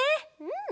うん！